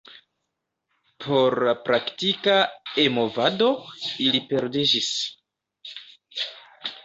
Por la praktika E-movado ili perdiĝis.